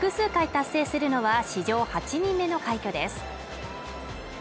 達成するのは史上８人目の快挙です